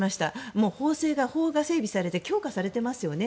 もう法が整備されて強化されてますよね。